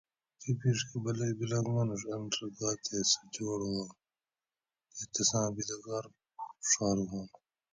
دی پیڛکہۤ بیلگ مانوڄ ان رہ گا تے سہ جوڑ واں تے تساں بیلیگار ڛارواں